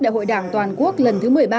đại hội đảng toàn quốc lần thứ một mươi ba